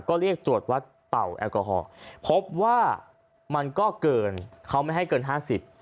ก็เรียกตรวจวัดเป่าแอลกอฮอล์พบว่ามันก็เกินเขาไม่ให้เกินห้าสิบ